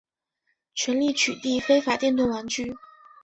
全力取缔非法电动玩具